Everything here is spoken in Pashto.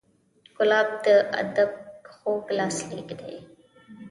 ګلاب د ادب خوږ لاسلیک دی.